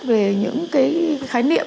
về những cái khái niệm